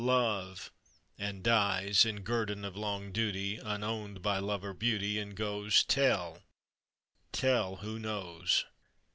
Love!' and dies, "In guerdon of long duty, Unowned by Love or Beauty; And goes Tell, tell, who knows!